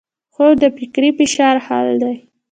خوب د فکري فشار حل دی